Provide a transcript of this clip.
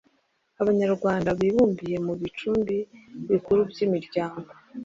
Abanyarwanda bibumbiye mu Bicumbi bikuru by’imiryango,